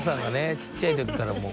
ちっちゃい時からもう。